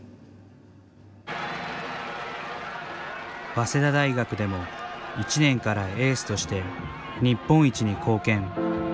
早稲田大学でも１年からエースとして日本一に貢献。